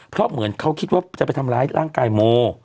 เพราะเหมือนเขาคิดว่าจะไปทำร้ายร่างกายโม